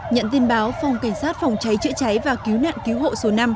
nhận tin báo phòng cảnh sát phòng cháy chữa cháy và cứu nạn cứu hộ số năm